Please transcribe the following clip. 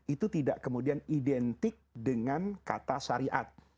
itu tidak kemudian identik dengan kata syariat